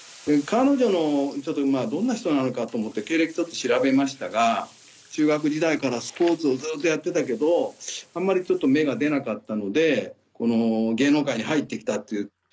彼女のちょっとどんな人なのかと思って経歴調べましたが中学時代からスポーツをずっとやってたけどあんまり芽が出なかったので芸能界に入って来たっていう。